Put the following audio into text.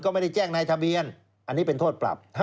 ก็ไม่ได้แจ้งในทะเบียนอันนี้เป็นโทษปรับ